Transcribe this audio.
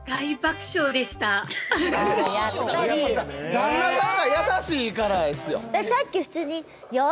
旦那さんが優しいからですよ。